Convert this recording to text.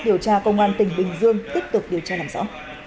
điều tra công an tỉnh bình dương tiếp tục điều tra làm rõ